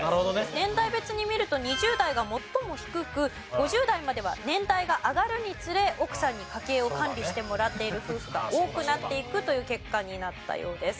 年代別に見ると２０代が最も低く５０代までは年代が上がるにつれ奥さんに家計を管理してもらっている夫婦が多くなっていくという結果になったようです。